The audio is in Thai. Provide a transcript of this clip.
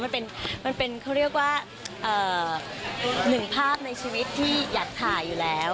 มันเป็นเขาเรียกว่าหนึ่งภาพในชีวิตที่อยากถ่ายอยู่แล้ว